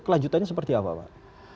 kelanjutannya seperti apa pak